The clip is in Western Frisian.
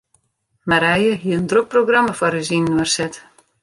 Marije hie in drok programma foar ús yninoar set.